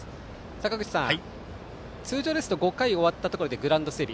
坂口さん、通常ですと５回が終わったところでグラウンド整備